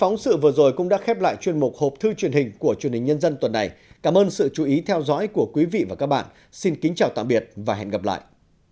phóng sự vừa rồi cũng đã khép lại chuyên mục hộp thư truyền hình của truyền hình nhân dân tuần này cảm ơn sự chú ý theo dõi của quý vị và các bạn xin kính chào tạm biệt và hẹn gặp lại